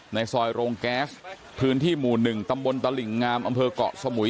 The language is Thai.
ในซอยโรงแก๊สพื้นที่หมู่๑ตำบลตลิ่งงามอำเภอกเกาะสมุย